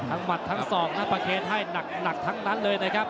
ทั้งหมัดทั้งสองแนวประเภทให้หนักหนักทั้งนั้นเลยนะครับ